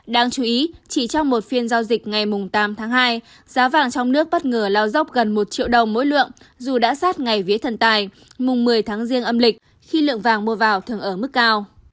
đáng chú ý chỉ trong một phiên giao dịch ngày tám tháng hai giá vàng trong nước bất ngờ lao dốc gần một triệu đồng mỗi lượng dù đã sát ngày vía thần tài mùng một mươi tháng riêng âm lịch khi lượng vàng mua vào thường ở mức cao